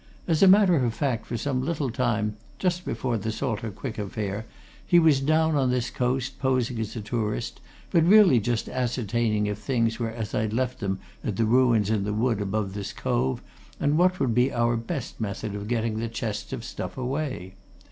As a matter of fact, for some little time just before the Salter Quick affair, he was down on this coast, posing as a tourist, but really just ascertaining if things were as I'd left them at the ruins in the wood above this cove and what would be our best method of getting the chests of stuff away.